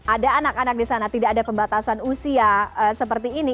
ada anak anak di sana tidak ada pembatasan usia seperti ini